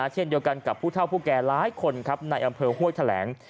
เช่นเดียวกันกับผู้เท่าผู้แก่หลายคนครับในอำเภอห้วยแถลง